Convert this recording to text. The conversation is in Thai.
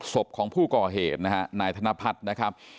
ศพของผู้ก่อเหตุนะฮะนายธนพัฒน์นะครับ